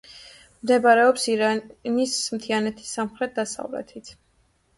მდებარეობს ირანის მთიანეთის სამხრეთ-დასავლეთით.